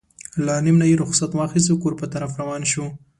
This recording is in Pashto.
له عالم نه یې رخصت واخیست کور په طرف روان شو.